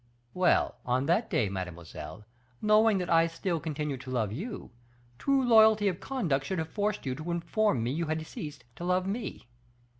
"Well, on that day, mademoiselle, knowing that I still continued to love you, true loyalty of conduct should have forced you to inform me you had ceased to love me."